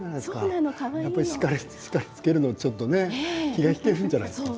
やっぱり叱りつけるのちょっとね気が引けるんじゃないですか。